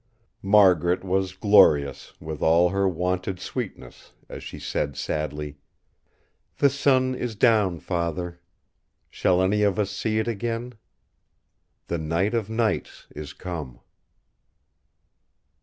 Margaret was glorious with all her wonted sweetness as she said sadly: "The sun is down, Father! Shall any of us see it again? The night of nights is come!"